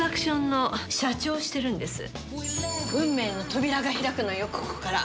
運命の扉が開くのよ、ここから。